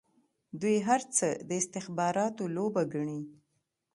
دوی هر څه د استخباراتو لوبه ګڼي.